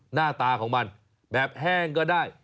หน้าตาของมันแบบแห้งก็ได้